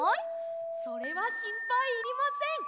それはしんぱいいりません！